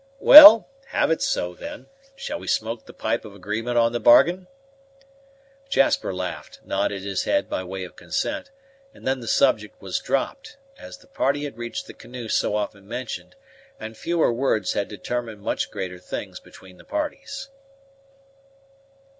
"Well, have it so, then: shall we smoke the pipe of agreement on the bargain?" Jasper laughed, nodded his head by way of consent, and then the subject was dropped, as the party had reached the canoe so often mentioned, and fewer words had determined much greater things between the parties.